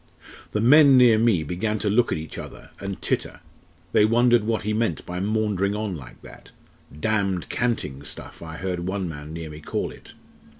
The men near me began to look at each other and titter. They wondered what he meant by maundering on like that 'damned canting stuff' I heard one man near me call it.